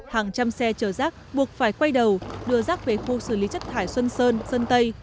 hàng trăm xe chở rác buộc phải quay đầu đưa rác về khu xử lý chất thải xuân sơn sơn tây